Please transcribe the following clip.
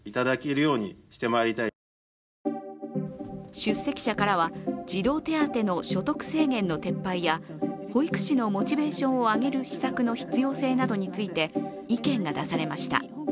出席者からは、児童手当の所得制限の撤廃や保育士のモチベーションを上げる施策の必要性などについて意見が出されました。